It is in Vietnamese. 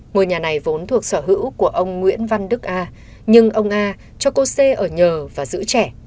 ngôi nhà này vốn thuộc sở hữu của ông nguyễn văn đức a nhưng ông a cho cô xê ở nhờ và giữ trẻ